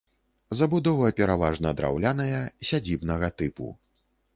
Забудова пераважна драўляная сядзібнага тыпу.